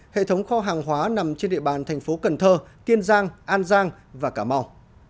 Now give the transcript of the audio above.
hệ thống kho hàng hóa nằm trên địa bàn thành phố cần thơ kiên giang an giang và cà mau